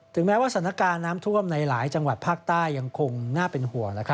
แม้ว่าสถานการณ์น้ำท่วมในหลายจังหวัดภาคใต้ยังคงน่าเป็นห่วง